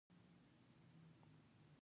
هوښیار انسان خپل وخت بېځایه نه ضایع کوي.